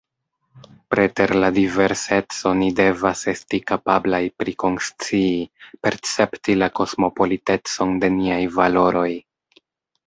Preter la diverseco ni devas esti kapablaj prikonscii, percepti la kosmopolitecon de niaj valoroj.